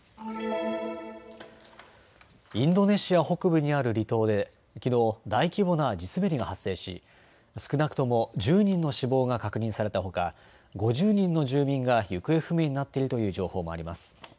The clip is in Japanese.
インドネシア北部にある離島できのう大規模な地滑りが発生し少なくとも１０人の死亡が確認されたほか５０人の住民が行方不明になっているという情報もあります。